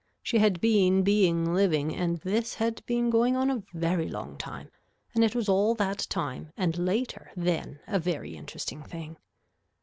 She had been being living and this had been going on a very long time and it was all that time and later then a very interesting thing.